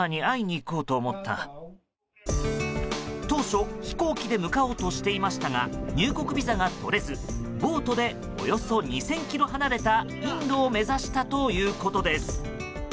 当初、飛行機で向かおうとしていましたが入国ビザが取れず、ボートでおよそ２０００ｋｍ離れたインドを目指したということです。